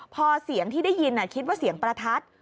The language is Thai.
พอเสียงที่ได้ยินคิดว่าเสียงประทัด